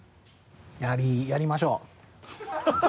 やりやりましょう。